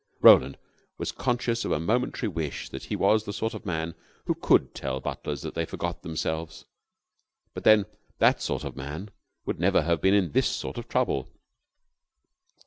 Roland was conscious of a momentary wish that he was the sort of man who could tell butlers that they forgot themselves. But then that sort of man would never be in this sort of trouble.